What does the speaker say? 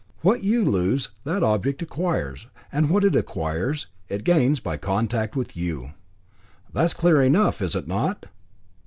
What you lose, that object acquires, and what it acquires, it gains by contact with you. That's clear enough, is it not?"